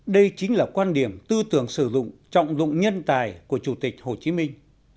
đây chính là quan điểm tư tưởng sử dụng trọng dụng nhân tài của chủ tịch hồ chí minh